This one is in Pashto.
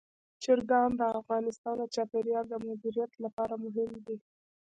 چرګان د افغانستان د چاپیریال د مدیریت لپاره مهم دي.